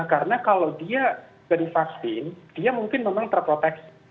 karena kalau dia sudah divaksin dia mungkin memang terproteksi